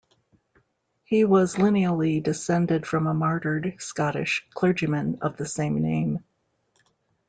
He was lineally descended from a martyred Scottish clergyman of the same name.